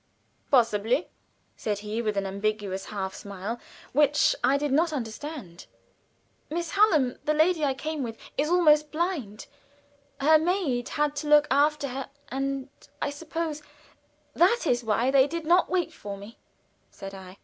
"Possibly," said he, with an ambiguous half smile, which I did not understand. "Miss Hallam the lady I came with is almost blind. Her maid had to look after her, and I suppose that is why they did not wait for me," said I.